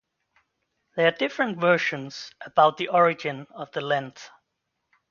There are different versions about the origin of the lent.